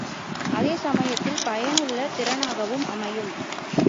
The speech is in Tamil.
அதே சமயத்தில் பயனுள்ள திறனாகவும் அமையும்.